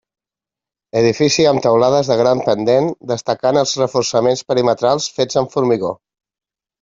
Edifici amb teulades de gran pendent, destacant els reforçaments perimetrals fets amb formigó.